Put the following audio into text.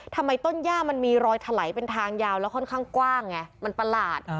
ทำไมต้นย่ามันมีรอยถลายเป็นทางยาวแล้วค่อนข้างกว้างไงมันประหลาด